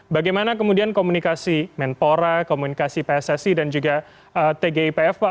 bagaimana kemudian komunikasi menpora komunikasi pssi dan juga tgipf pak